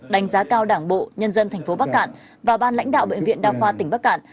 đánh giá cao đảng bộ nhân dân thành phố bắc cạn và ban lãnh đạo bệnh viện đa khoa tỉnh bắc cạn